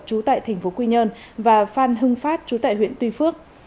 trú tại tp quy nhơn và phan hưng phát trú tại huyện tuy phước